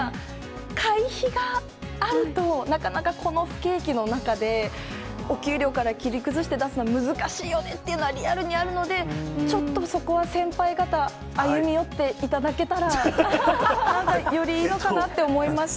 会費があると、なかなかこの不景気の中で、お給料から切り崩して出すのは難しいよねっていうのはリアルにあるので、ちょっとそこは先輩方、歩み寄っていただけたら、よりいいのかなと思いました。